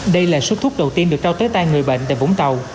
đây là số thuốc đầu tiên được trao tới tay người bệnh tại vũng tàu